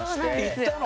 行ったの？